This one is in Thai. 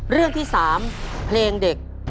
เรื่องที่๓เพลงเด็ก